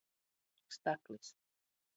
Staklis.